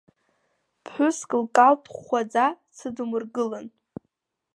Ԥҳәыск лкалҭ хәхәаӡа дсыдумыргылан.